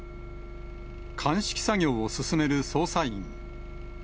鑑識作業を進める捜査員。